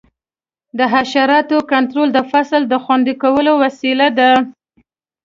د حشراتو کنټرول د فصل د خوندي کولو وسیله ده.